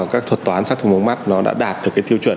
các thuật toán xác thực mống mắt nó đã đạt được cái tiêu chuẩn